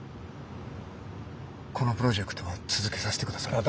このプロジェクトは続けさせてください。